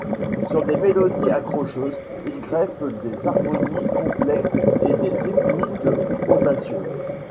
Sur des mélodies accrocheuses, il greffe des harmonies complexes et des rythmiques audacieuses.